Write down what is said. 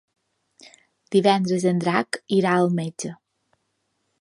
Divendres en Drac irà al metge.